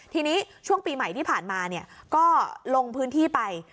ทีนี้ช่วงปีใหม่ที่ผ่านมาก็ลงพื้นที่ไป